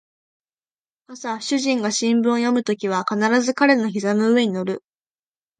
朝主人が新聞を読むときは必ず彼の膝の上に乗る